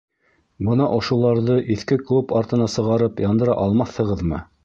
Бына ошоларҙы иҫке клуб артына сығарып яндыра алмаҫһығыҙмы?